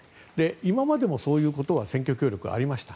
今までもそういった選挙協力ありました。